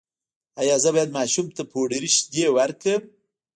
ایا زه باید ماشوم ته پوډري شیدې ورکړم؟